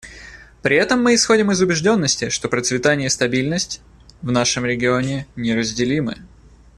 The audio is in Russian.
При этом мы исходим из убежденности, что процветание и стабильность в нашем регионе неразделимы.